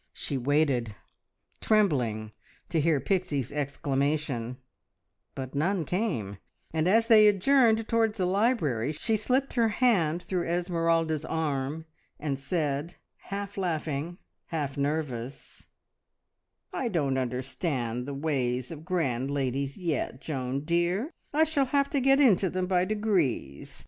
She waited, trembling, to hear Pixie's exclamation, but none came, and as they adjourned towards the library she slipped her hand through Esmeralda's arm, and said, half laughing, half nervous "I don't understand the ways of grand ladies yet, Joan dear! I shall have to get into them by degrees.